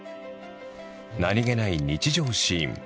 何気ない日常シーン。